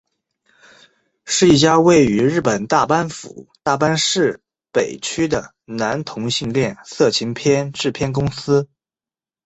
是一家位于日本大阪府大阪市北区的男同性恋色情片制片公司。